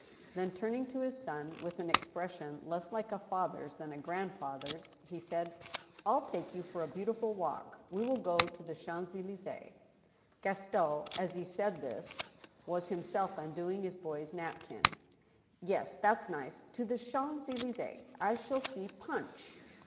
Then, turning to his son with an expression less like a father's than a grandfather's, he said :" I'll take you for a beautiful walk. We will go to the Champs Elys^es." Gaston, as he said this, was himself undoing his boy's napkin. "Yes, that's nice. To the Champs Elys^es ! I shall see Punch!"